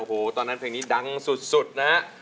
โอ้โหตอนนั้นเพลงนี้ดังสุดนะฮะ